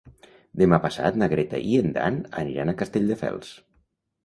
Demà passat na Greta i en Dan aniran a Castelldefels.